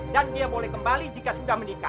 dan dia boleh kembali jika sudah menikah